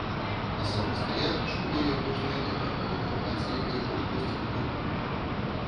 Асабіста я чуў яе кожнае лета, калі на вакацыі ехаў у госці да бабулі.